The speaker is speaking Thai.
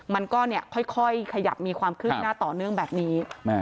มันก็ค่อยขยับมีความคืบหน้าต่อเนื่องแบบนี้